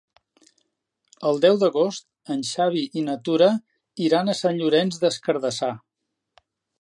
El deu d'agost en Xavi i na Tura iran a Sant Llorenç des Cardassar.